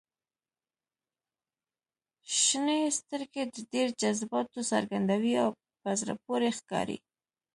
• شنې سترګې د ډېر جذباتو څرګندوي او په زړه پورې ښکاري.